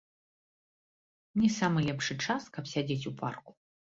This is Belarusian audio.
Не самы лепшы час, каб сядзець у парку.